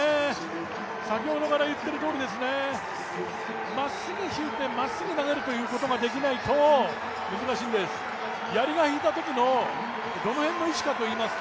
先ほどから言ってるとおりまっすぐ引いてまっすぐ投げるということができないと難しいんです。